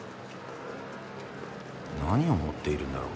何を持っているんだろう？